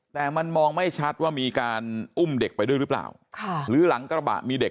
แต่มันมองไม่ชัดว่ามีการอุ้มเด็กไปด้วยหรือเปล่าค่ะหรือหลังกระบะมีเด็ก